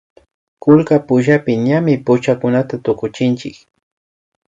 kullka pullapi ñami puchakunata tukuchinchik